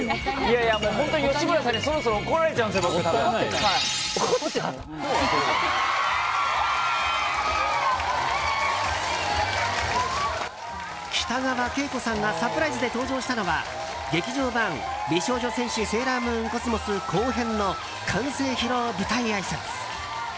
本当に吉村さんに北川景子さんがサプライズで登場したのは劇場版「美少女戦士セーラームーンＣｏｓｍｏｓ」後編の完成披露舞台あいさつ。